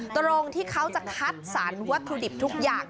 ตรงที่เขาจะคัดสรรวัตถุดิบทุกอย่าง